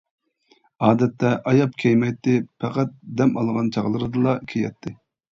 ئادەتتە ئاياپ كىيمەيتتى، پەقەت دەم ئالغان چاغلىرىدىلا كىيەتتى.